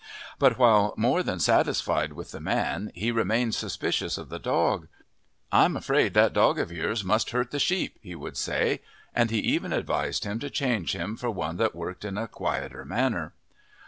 But while more than satisfied with the man he remained suspicious of the dog. "I'm afraid that dog of yours must hurt the sheep," he would say, and he even advised him to change him for one that worked in a quieter manner.